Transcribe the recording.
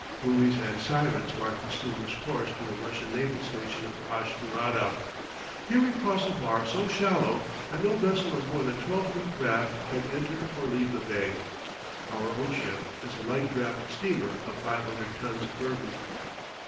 Buoys and sirens mark the steamer's course to the Russian naval station of Ashdurada. Here we cross a bar so shallow that no vessel of more than twelve feet draught can enter or leave the bay. Our own ship is a light draught steamer of five hundred tons burden.